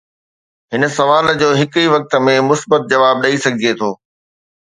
هن سوال جو هڪ ئي وقت ۾ مثبت جواب ڏئي سگهجي ٿو.